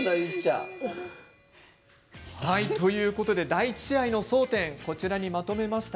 第１試合の争点をまとめました。